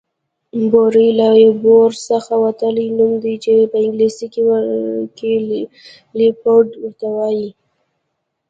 بوری له بور څخه وتلی نوم دی چې په انګليسي کې ليپرډ ته وايي